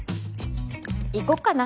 行こっかな。